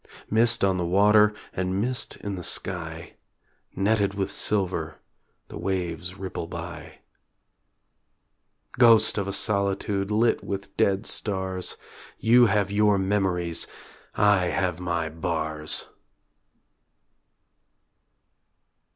Mist on the water And mist in the sky; Netted with silver The waves ripple by. Ghost of a solitude Lit with dead stars. You have your memories _I have my bars!